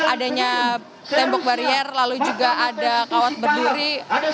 adanya tembok barier lalu juga ada kawat berduri